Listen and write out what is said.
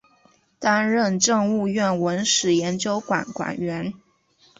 担任政务院文史研究馆馆员。